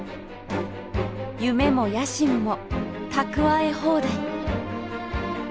夢も野心も蓄え放題。